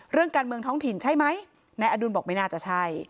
เรื่องการเมืองท้องถิ่นใช่ไหมนายอดุลบอกไม่น่าจะใช่